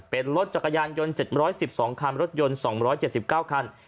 เป็นรถจักรยานยนต์๗๑๒คันรถยนต์๒๗๙คัน